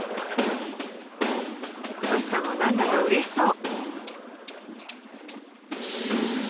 Ｔｏｓｈｉさんも何だかうれしそう。